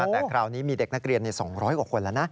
แต่คราวนี้มีเด็กนักเรียน๒๐๐กว่าคนแล้วนะ